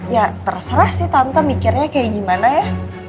ya terserah sih tante mikirnya kayak gimana ya